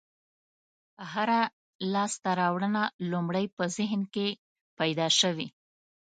هره لاستهراوړنه لومړی په ذهن کې پیدا شوې.